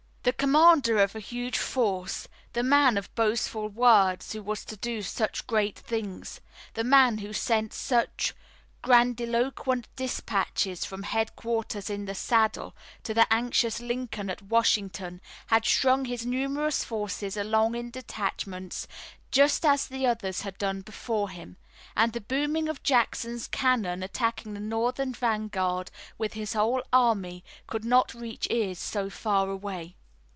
The commander of a huge force, the man of boastful words who was to do such great things, the man who sent such grandiloquent dispatches from "Headquarters in the Saddle," to the anxious Lincoln at Washington, had strung his numerous forces along in detachments, just as the others had done before him, and the booming of Jackson's cannon attacking the Northern vanguard with his whole army could not reach ears so far away.